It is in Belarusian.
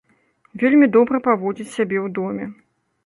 Вельмі добра паводзіць сябе ў доме.